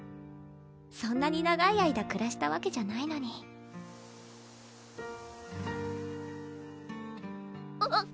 そんなに長い間くらしたわけじゃないのにあっ！